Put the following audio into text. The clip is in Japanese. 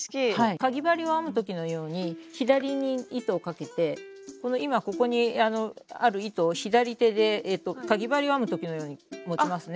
かぎ針を編む時のように左に糸をかけてこの今ここにある糸を左手でかぎ針を編む時のように持ちますね。